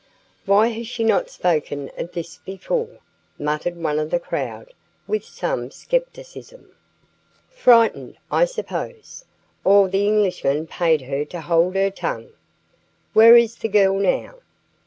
"Why has she not spoken of this before?" muttered one of the crowd, with some scepticism. "Frightened, I suppose. Or the Englishman paid her to hold her tongue." "Where is the girl now?"